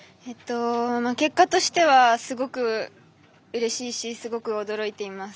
結果としてはすごくうれしいしすごく驚いています。